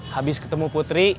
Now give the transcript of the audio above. habis ketemu putri